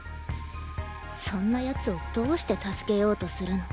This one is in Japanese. そんな奴をどうして助けようとするの？